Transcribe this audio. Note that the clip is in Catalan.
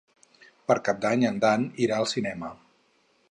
Per Cap d'Any en Dan irà al cinema.